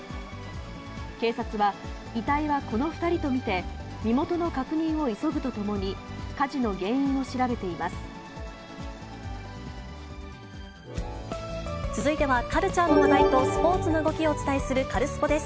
警察は遺体はこの２人と見て、身元の確認を急ぐとともに、続いては、カルチャーの話題とスポーツの動きをお伝えするカルスポっ！です。